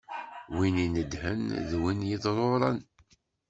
Win inedhen d win yeḍṛuṛan.